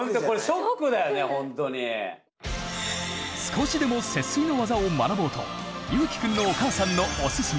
少しでも節水の技を学ぼうとゆうきくんのお母さんのおすすめ